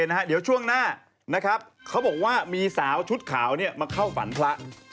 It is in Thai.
โอเคนะครับเดี๋ยวช่วงหน้าเขาบอกว่ามีสาวชุดขาวมาเข้าฝันพระ